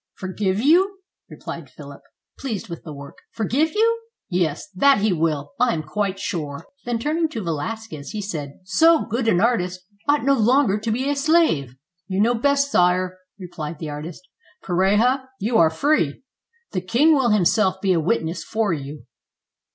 "Forgive you?" replied Philip, pleased with the work. "Forgive you? Yes, that he will, I am quite sure." Then turning to Velasquez, he said, " So good an artist ought no longer to be a slave." "You know best, sire," replied the artist. "Pareja, you are free. The king will himself be a witness for you."